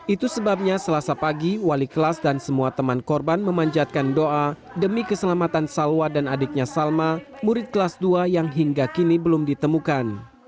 itu sebabnya selasa pagi wali kelas dan semua teman korban memanjatkan doa demi keselamatan salwa dan adiknya salma murid kelas dua yang hingga kini belum ditemukan